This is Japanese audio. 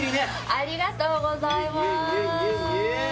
ありがとうございます。